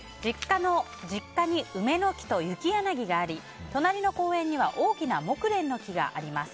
実家に梅の木とユキヤナギがあり隣の公園には大きなモクレンの木があります。